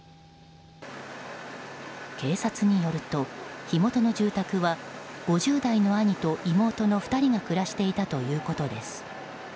警察によると火元の住宅は５０代の兄と妹の２人が暮らしていたということです。